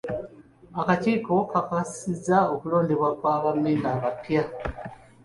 Akakiiko kakakasizza okulondebwa kwa ba memba abapya.